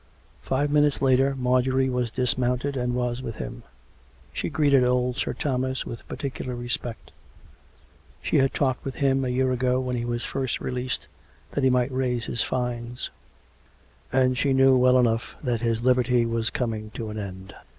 Five minutes later Marjorie was dismounted, and was with him. She greeted old Sir Thomas with particular re spect; she had talked with him a year ago when he was first released that he might raise his fines; and she knew well enough that his liberty was coming to an end.